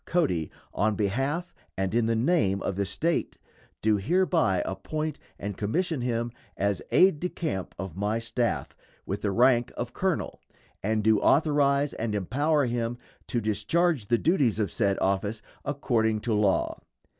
Cody, on behalf and in the name of the State do hereby appoint and commission him as aide de camp of my staff, with the rank of colonel, and do authorize and empower him to discharge the duties of said office according to law.